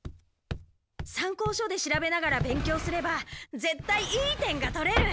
参考書で調べながら勉強すればぜったいいい点が取れる。